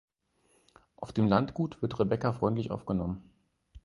Auf dem Landgut wird Rebecca freundlich aufgenommen.